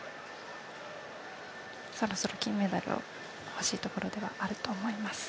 金メダルをほしいところではあると思います。